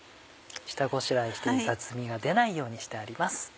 下ごしらえして雑味が出ないようにしてあります。